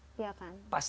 pasti harus punya